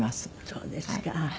そうですか。